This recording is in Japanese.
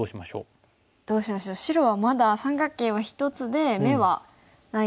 どうしましょう白はまだ三角形は１つで眼はないですよね。